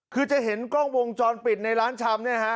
คือจะเห็นกล้องวงจรปิดในร้านชำเนี่ยฮะ